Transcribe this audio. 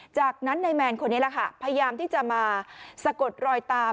จากนั้นนายแมนคนนี้แหละค่ะพยายามที่จะมาสะกดรอยตาม